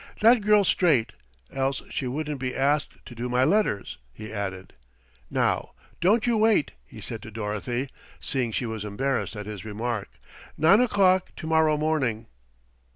That girl's straight, else she wouldn't be asked to do my letters," he added. "Now, don't you wait," he said to Dorothy, seeing she was embarrassed at his remark; "nine o'clock to morrow morning."